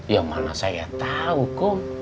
ya mana saya tau kum